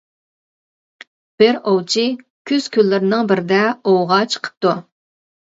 بىر ئوۋچى كۈز كۈنلىرىنىڭ بىرىدە ئوۋغا چىقىپتۇ.